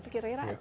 itu kira kira apa